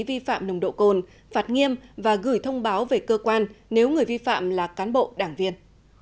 vi phạm nồng độ cồn phạt nghiêm và gửi thông báo về cơ quan nếu người vi phạm là cán bộ đảng viên